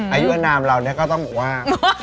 อายุอนามเราเนี่ยก็ต้องบอกว่า